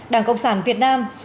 đảng cộng sản việt nam